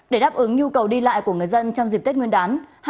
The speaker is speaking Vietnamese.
để đáp ứng nhu cầu đi lại của người dân trong dịp tết nguyên đán